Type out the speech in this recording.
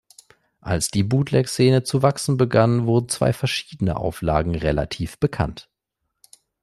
Als die Bootleg-Szene zu wachsen begann, wurden zwei verschiedene Auflagen relativ bekannt.